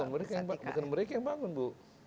mereka bukan mereka yang bangun bu